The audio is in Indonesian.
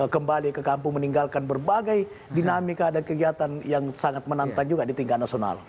kembali ke kampung meninggalkan berbagai dinamika dan kegiatan yang sangat menantang juga di tingkat nasional